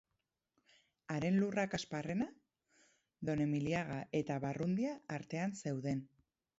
Haren lurrak Asparrena, Donemiliaga eta Barrundia artean zeuden.